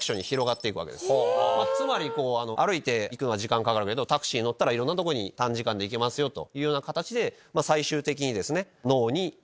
つまり歩いていくのは時間かかるけどタクシー乗ったらいろんなとこ短時間で行けますよという形で最終的に。